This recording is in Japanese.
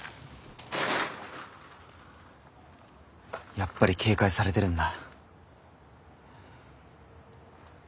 やっぱり警戒されてるんだ。